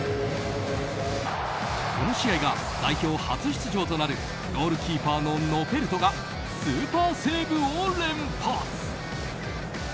この試合が代表初出場となるゴールキーパーのノペルトがスーパーセーブを連発。